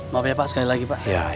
bapak ya pak sekali lagi pak